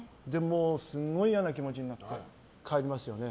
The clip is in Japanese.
すんごい嫌な気持ちになって帰りますよね。